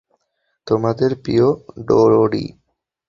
তোমাদের প্রিয়, ডোরি।